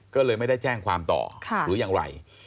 ก็เลยไม่ได้แจ้งความต่อหรือยังไร